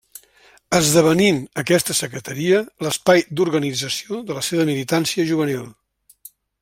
Esdevenint aquesta secretaria l'espai d'organització de la seva militància juvenil.